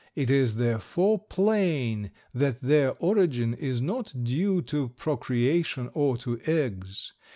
It is, therefore, plain that their origin is not due to procreation or to eggs.